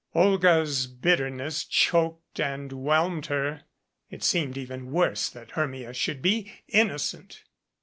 Olga's bitterness choked and whelmed her. It seemed even worse that Hermia should be innocent.